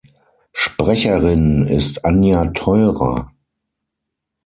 Sprecherin ist Anja Theurer.